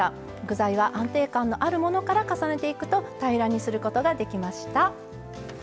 具材は安定感のあるものから重ねていくと平らにすることができました。